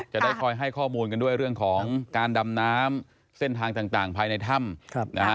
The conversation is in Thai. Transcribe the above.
จะได้คอยให้ข้อมูลกันด้วยเรื่องของการดำน้ำเส้นทางต่างภายในถ้ำนะฮะ